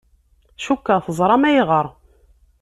Cukkeɣ teẓram ayɣer.